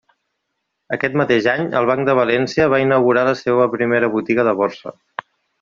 Aquest mateix any, el Banc de València va inaugurar la seua primera botiga de Borsa.